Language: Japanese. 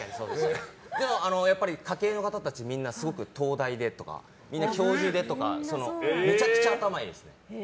でも、家系の方たちみんな東大出とかみんな教授でとかめちゃくちゃ頭いいです。